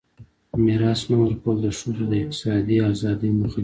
د میراث نه ورکول د ښځو د اقتصادي ازادۍ مخه نیسي.